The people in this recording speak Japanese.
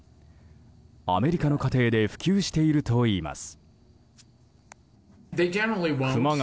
アメリカの家庭で普及しているといいます。